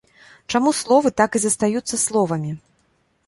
Чаму словы так і застаюцца словамі?